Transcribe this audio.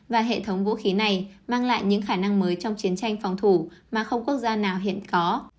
và hệ thống vũ khí này mang lại những khả năng mới trong chiến tranh phòng thủ mà không quốc gia nào hiện có